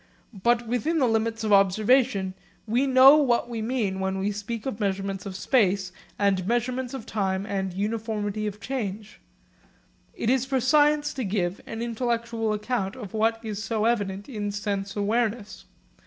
But within the limits of observation we know what we mean when we speak of measurements of space and measurements of time and uniformity of change. It is for science to give an intellectual account of what is so evident in sense awareness.